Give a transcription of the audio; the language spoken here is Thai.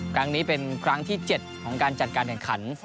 ครั้งนี้เป็นครั้งที่๗ของการจัดการแข่งขัน